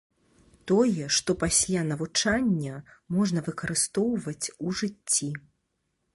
Тое, што пасля навучання, можна выкарыстоўваць у жыцці.